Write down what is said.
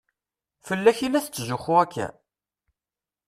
Fell-ak i la tetzuxxu akka?